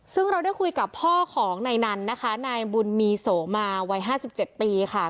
ซึ่งเราได้คุยกับพ่อของในนั้นนะคะนายบุญมีโสมาวัยห้าสิบเจ็ดปีค่ะ